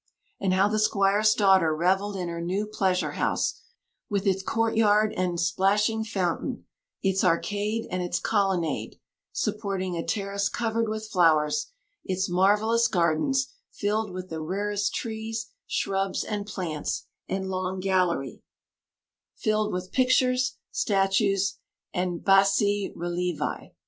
And how the squire's daughter revelled in her new pleasure house, with its courtyard and plashing fountain, its arcade and its colonnade, "supporting a terrace covered with flowers"; its marvellous gardens, filled with the rarest trees, shrubs and plants; and long gallery, "filled with pictures, statues, and bassi relievi."